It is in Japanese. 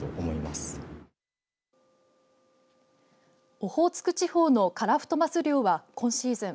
オホーツク地方のカラフトマス漁は今シーズン